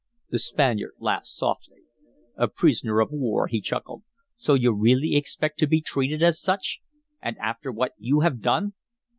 The Spaniard laughed softly. "A prisoner of war," he chuckled. "So you really expect to be treated as such and after what you have done!"